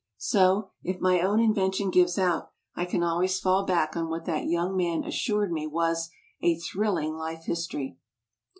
So, if my own invention gives out, I can always fall back on what that young man assured me was "a thrill ing life history!"